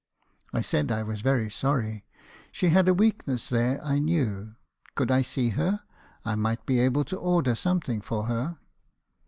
"I said I was very sorry. She had a weakness there, I knew. Could I see her? I might be able to order something for her.